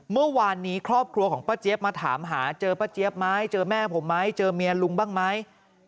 เมื่อวานนี้ครอบครัวของป้าเจี๊ยบมาถามหาเจอป้าเจี๊ยบไหมเจอแม่ผมไหมเจอเมียลุงบ้างไหม